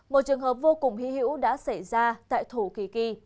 một trường hợp vô cùng hí hữu đã xảy ra tại thủ kỳ kỳ